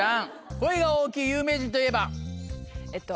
声が大きい有名人といえば。